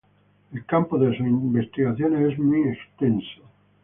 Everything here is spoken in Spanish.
El campo de sus investigaciones es muy extenso.